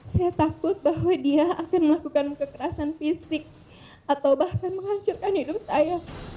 saya takut bahwa dia akan melakukan kekerasan fisik atau bahkan menghancurkan hidup saya